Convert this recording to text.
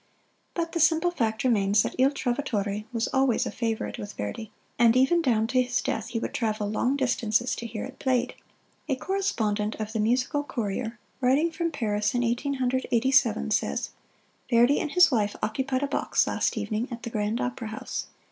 But the simple fact remains that "Il Trovatore" was always a favorite with Verdi, and even down to his death he would travel long distances to hear it played. A correspondent of the "Musical Courier," writing from Paris in Eighteen Hundred Eighty seven, says: "Verdi and his wife occupied a box last evening at the Grand Opera House.